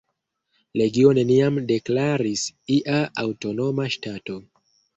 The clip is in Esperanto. Legio neniam deklaris ia aŭtonoma ŝtato.